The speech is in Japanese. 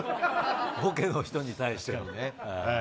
ボケの人に対してのね。